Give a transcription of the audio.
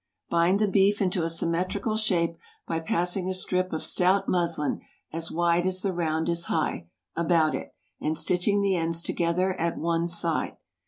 Bind the beef into a symmetrical shape by passing a strip of stout muslin, as wide as the round is high, about it, and stitching the ends together at one side.